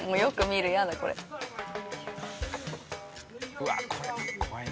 うわっこれ怖いな。